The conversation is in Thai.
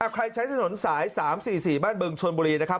ใช้ถนนสาย๓๔๔บ้านบึงชนบุรีนะครับ